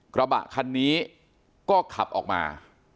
กระบะคันนี้ก็ขับออกมา